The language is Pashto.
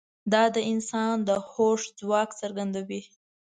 دا د انسان د هوښ ځواک څرګندوي.